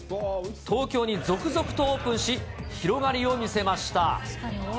東京に続々とオープンし、広がりを見せました。